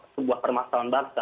sebuah permasalahan bangsa